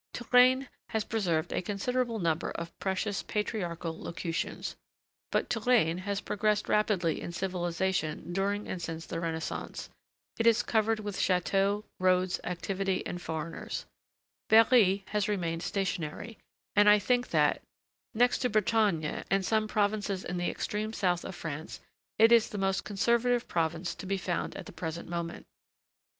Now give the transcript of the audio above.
Touraine has preserved a considerable number of precious patriarchal locutions. But Touraine has progressed rapidly in civilization during and since the Renaissance. It is covered with châteaux, roads, activity, and foreigners. Berry has remained stationary, and I think that, next to Bretagne and some provinces in the extreme south of France, it is the most conservative province to be found at the present moment.